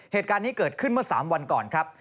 เหตุการณ์นี้เกิดขึ้นเมื่อ๓วันก่อนครับ